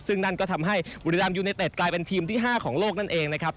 ซึ่งนั่นก็ทำให้บุรีรัมยูเนเต็ดกลายเป็นทีมที่๕ของโลกนั่นเองนะครับ